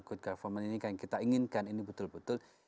good government ini yang kita inginkan ini betul betul